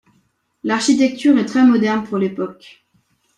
L'architecture est très moderne pour l’époque.